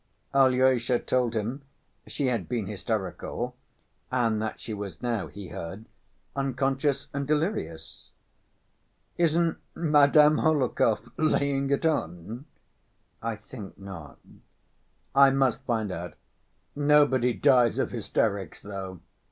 Alyosha told him she had been hysterical, and that she was now, he heard, unconscious and delirious. "Isn't Madame Hohlakov laying it on?" "I think not." "I must find out. Nobody dies of hysterics, though.